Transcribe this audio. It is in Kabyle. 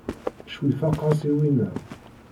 Ccwi faqeɣ-as i winna.